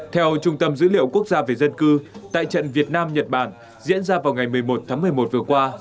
theo trung tâm dữ liệu quốc gia về dân cư tại trận việt nam nhật bản diễn ra vào ngày một mươi một tháng một mươi một vừa qua